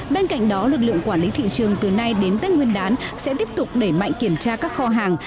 bên cạnh đó lực lượng quản lý thị trường từ nay đến tết nguyên đán sẽ tiếp tục đẩy mạnh kiểm tra các kho hàng